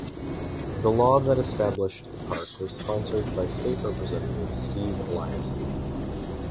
The law that established the park was sponsored by state representative Steve Eliason.